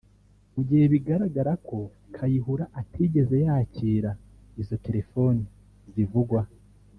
mu gihe bigaragara ko Kayihura atigeze yakira izo telefoni zivugwa